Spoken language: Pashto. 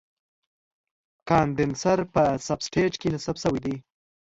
کاندنسر په سب سټیج کې نصب شوی دی.